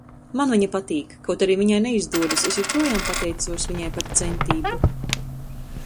Man viņa patīk. Kaut arī viņai neizdodas, es joprojām pateicos viņai par centību.